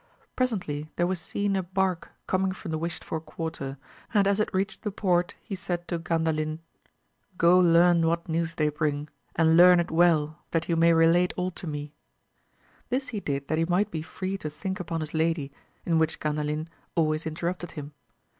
Presently there was seen a bark coming from the wished for quarter, and as it reached the port he said to Gandalin, go learn what news they bring, and learn it well that you may re late all to me ; this he did that he might be free to think upon his lady, in which Gandalin always in terrupted him.